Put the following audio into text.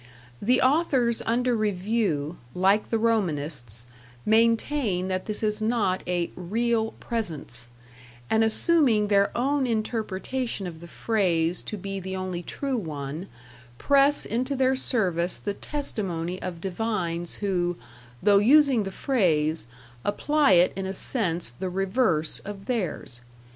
The authors under review, like the Romanists, maintain that this is not a Real Presence, and assuming their own interpretation of the phrase to be the only true one, press into their service the testimony of divines who, though using the phrase, apply it in a sense the reverse of theirs.